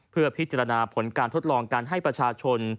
เพื่อพิจารณาผลการทดลองการให้ประชาชน